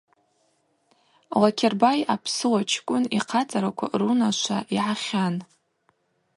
Лакербай апсыуа чкӏвын йхъацӏараква рунашва йгӏахьан.